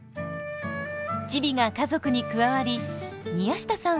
ちびが家族に加わり宮下さん